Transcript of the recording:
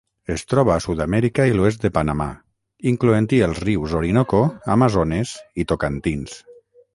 Es troba a Sud-amèrica i l'oest de Panamà, incloent-hi els rius Orinoco, Amazones i Tocantins.